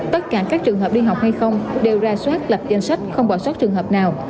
tất cả các trường hợp đi học hay không đều ra soát lập danh sách không bỏ sót trường hợp nào